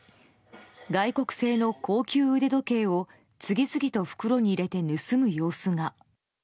外国製の高級腕時計を次々と袋に入れて盗む様子が。